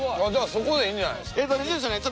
そこでいいんじゃない？